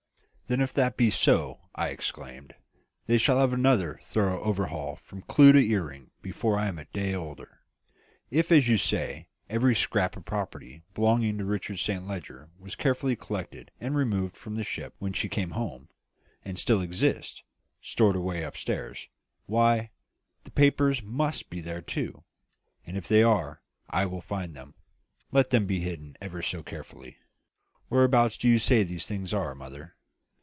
"Then if that be so," I exclaimed, "they shall have another thorough overhaul from clew to earring before I am a day older. If, as you say, every scrap of property belonging to Richard Saint Leger was carefully collected and removed from the ship when she came home, and still exists, stored away upstairs, why, the papers must be there too; and if they are I will find them, let them be hidden ever so carefully. Whereabouts do you say these things are, mother?"